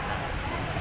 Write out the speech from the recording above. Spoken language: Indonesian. agar bogoran jadi apa